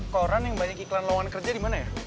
koran yang banyak iklan lawan kerja di mana ya